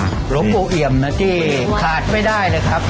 หลวงปู่เอี่ยมนะที่ขาดไม่ได้เลยครับ